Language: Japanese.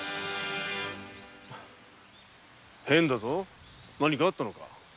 変だぞ何かあったのか？